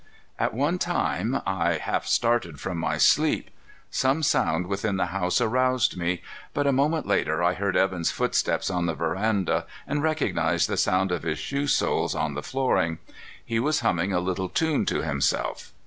At one time I half started from my sleep. Some sound within the house aroused me, but a moment later I heard Evan's footstep on the veranda and recognized the sound of his shoe soles on the flooring. He was humming a little tune to himself.